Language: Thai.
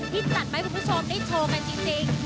ที่จัดมาให้คุณผู้ชมได้โชว์กันจริง